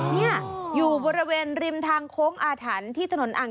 นี่อยู่บริเวณริมทางโค้งอาถรรพ์ที่ถนนอ่าง